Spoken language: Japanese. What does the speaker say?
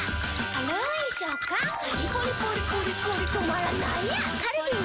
軽ーい食感カリッポリポリポリポリ止まらないやつカルビー！